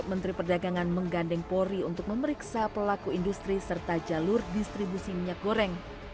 menteri perdagangan menggandeng polri untuk memeriksa pelaku industri serta jalur distribusi minyak goreng